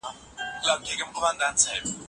څوک چي استاد وي باید خپله هم څېړونکی وي.